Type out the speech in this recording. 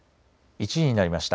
１時になりました。